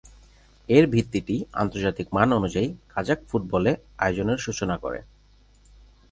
এর ভিত্তিটি আন্তর্জাতিক মান অনুযায়ী কাজাখ ফুটবলে আয়োজনের সূচনা করে।